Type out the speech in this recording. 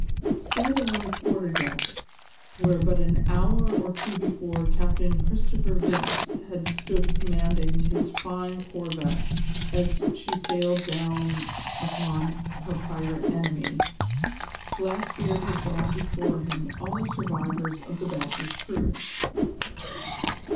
Standing on the quarter deck where but an hour or two before Captain Christopher Vince had stood commanding his fine corvette as she sailed down upon her pirate enemy, Blackbeard had brought before him all the survivors of the Badger's crew.